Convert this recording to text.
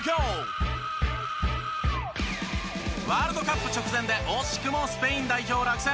ワールドカップ直前で惜しくもスペイン代表落選。